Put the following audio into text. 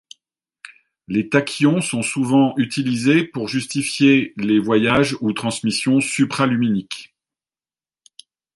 Les tachyons sont souvent utilisés pour justifier les voyages ou transmissions supraluminiques.